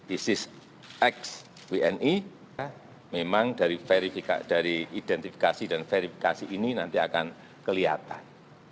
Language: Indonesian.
isis x wni memang dari identifikasi dan verifikasi ini nanti akan kelihatan